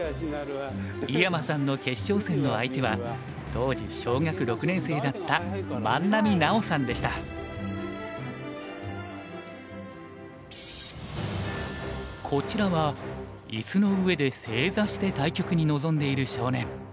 井山さんの決勝戦の相手は当時小学６年生だったこちらは椅子の上で正座して対局に臨んでいる少年。